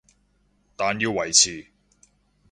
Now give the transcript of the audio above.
但要維持